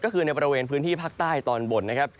ก็คือในบริเวณพื้นที่ภาคใต้ตอนบนนะครับ